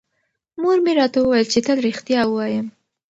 مور مې راته وویل چې تل رښتیا ووایم.